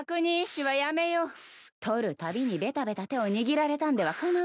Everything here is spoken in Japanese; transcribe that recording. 取るたびにベタベタ手を握られたんではかなわん。